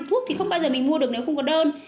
thuốc thì không bao giờ mình mua được nếu không có đơn